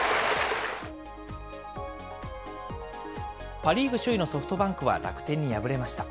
パ・リーグ首位のソフトバンクは楽天に敗れました。